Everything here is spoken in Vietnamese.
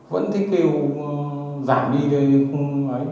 vẫn thích kêu giảm đi thôi nhưng không nói